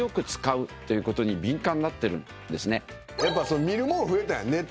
やっぱ見るもん増えたやん。